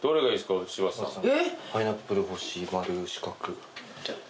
柴田さん。